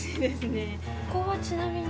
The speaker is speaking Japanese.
ここはちなみに。